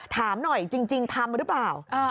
ถามหน่อยจริงทำหรือเปล่า